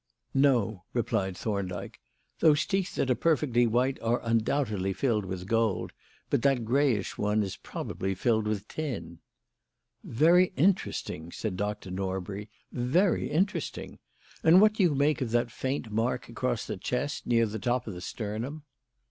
"No," replied Thorndyke. "Those teeth that are perfectly white are undoubtedly filled with gold, but that greyish one is probably filled with tin." "Very interesting," said Dr. Norbury. "Very interesting! And what do you make of that faint mark across the chest, near the top of the sternum?"